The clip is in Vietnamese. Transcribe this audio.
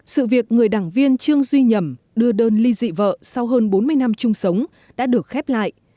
sự việc người đảng viên trương duy nhẩm đưa đơn ly ly dị vợ sau hơn bốn mươi năm chung sống đã được khép lại